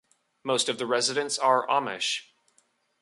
Most of the residents are Amish.